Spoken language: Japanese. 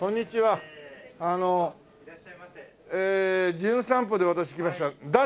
『じゅん散歩』で私来ましただ